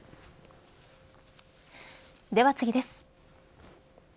では次です。